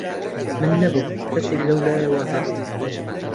من نەبووم، کەسێک لەولایەوە هات